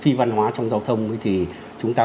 phi văn hóa trong giao thông thì chúng ta